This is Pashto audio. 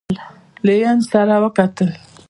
لینین سره وکتل.